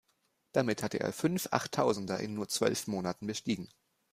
Damit hatte er fünf Achttausender in nur zwölf Monaten bestiegen.